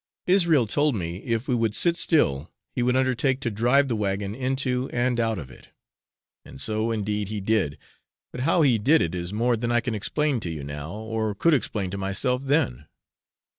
Israel told me if we would sit still he would undertake to drive the wagon into and out of it; and so, indeed, he did, but how he did it is more than I can explain to you now, or could explain to myself then.